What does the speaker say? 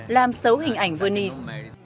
làm xấu hình ảnh venice